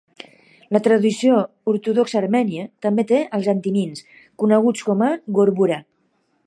La tradició ortodoxa armènia també té els antimins, coneguts com a "gorbura"